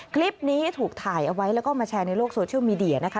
คลิปนี้ถูกถ่ายเอาไว้แล้วก็มาแชร์ในโลกโซเชียลมีเดียนะคะ